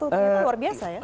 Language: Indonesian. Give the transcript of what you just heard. ternyata luar biasa ya